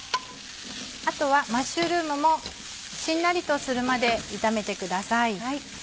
あとはマッシュルームもしんなりとするまで炒めてください。